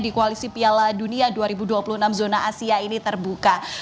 di koalisi piala dunia dua ribu dua puluh enam zona asia ini terbuka